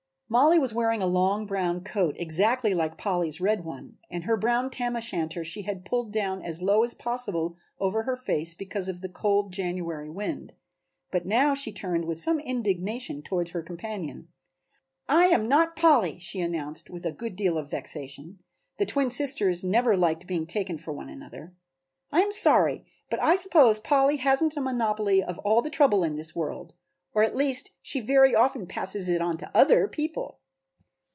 Mollie was wearing a long brown coat exactly like Polly's red one and her brown tam o' shanter she had pulled down as low as possible over her face because of the cold January wind, but now she turned with some indignation toward her companion. "I am not Polly," she announced with a good deal of vexation (the twin sisters never liked being taken for one another). "I am sorry, but I suppose Polly hasn't a monopoly of all the trouble in this world. Or at least she very often passes it on to other people."